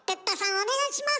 お願いします！